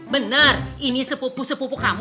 benar ini sepupu sepupuk kamu